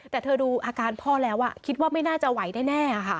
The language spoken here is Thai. แต่เธอดูอาการพ่อแล้วคิดว่าไม่น่าจะไหวแน่ค่ะ